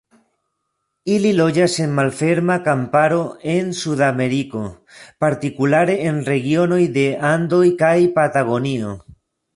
Ili loĝas en malferma kamparo en Sudameriko, partikulare en regionoj de Andoj kaj Patagonio.